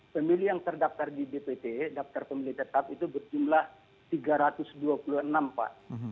pemilih yang terdaftar di dpt daftar pemilih tetap itu berjumlah tiga ratus dua puluh enam pak